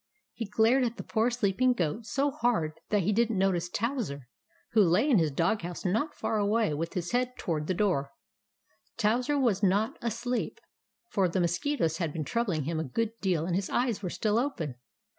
He glared at the poor sleeping Goat so hard that he did n't notice Towser, who lay in his dog house not far away, with his head toward the door. Towser was not asleep, for the mosquitoes had been troubling him a good deal, and his eyes were still open.